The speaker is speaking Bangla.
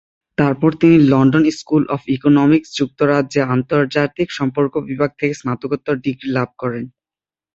তারপর তিনি লন্ডন স্কুল অফ ইকোনমিক্স, যুক্তরাজ্যে আন্তর্জাতিক সম্পর্ক বিভাগ থেকে স্নাতকোত্তর ডিগ্রি লাভ করেন।